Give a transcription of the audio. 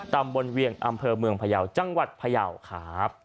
ตำบลเวียงอำเภอเมืองพยาวจังหวัดพยาวครับ